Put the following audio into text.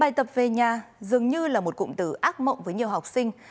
bài tập về nhà dường như là một cụm từ ác mộng với nhiều học sinh